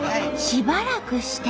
しばらくして。